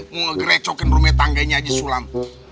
mau ngerecohkan rumah tangganya si sulam